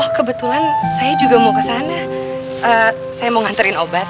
oh kebetulan saya juga mau kesana saya mau ngantarin obat